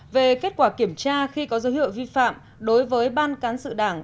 hai về kết quả kiểm tra khi có dấu hiệu vi phạm đối với ban cán sự đảng